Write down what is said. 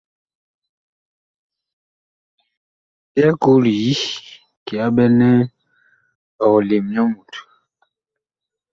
Mi byɛɛ koo li yi kiyaɓɛnɛ ɔg lem nyɔ Mut.